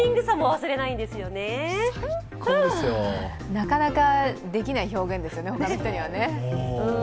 なかなかできない表現ですよね、他の人には。